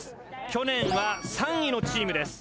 去年は３位のチームです。